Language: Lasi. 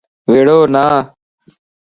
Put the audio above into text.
وڙونا